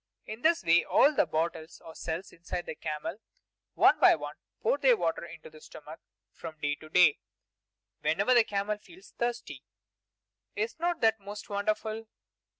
In this way all the bottles or cells inside the camel one by one pour their water into the stomach from day to day, whenever the camel feels thirsty. Is not that most wonderful?